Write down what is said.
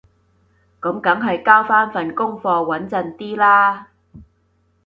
噉梗係交返份功課穩陣啲啦